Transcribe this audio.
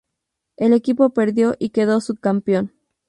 El equipo perdió y quedó subcampeón.